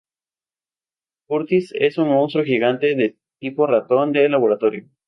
Curtis es un monstruo gigante de tipo ratón de laboratorio.